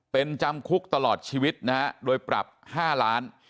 เป็นจำคุกตลอดชีวิตนะฮะโดยปรับ๕ล้าน